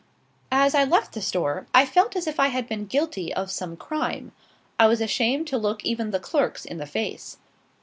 As I left the store, I felt as if I had been guilty of some crime; I was ashamed to look even the clerks in the face.